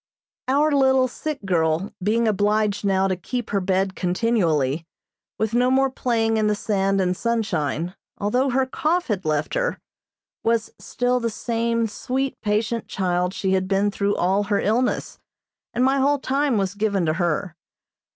Our little sick girl being obliged now to keep her bed continually, with no more playing in the sand and sunshine, although her cough had left her, was still the same sweet, patient child she had been through all her illness, and my whole time was given to her.